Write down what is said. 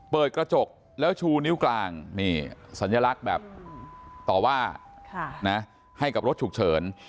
เปิดกระจกแล้วชูนิ้วกลางนี่สัญลักษณ์แบบต่อว่าให้กับรถฉุกเฉิน